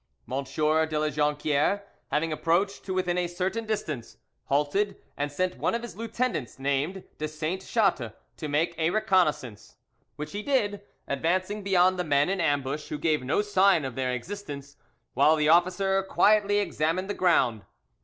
M. de La Jonquiere having approached to within a certain distance, halted, and sent one of his lieutenants named de Sainte Chatte to make a reconnaissance, which he did, advancing beyond the men in ambush, who gave no sign of their existence, while the officer quietly examined the ground.